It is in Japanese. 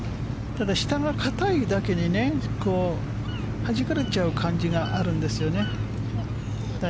ただ、下が硬いだけにはじかれちゃう感じがあるんですよね。